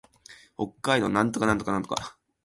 北海道音威子府村